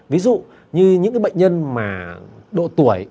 ví dụ như những bệnh nhân mà độ tuổi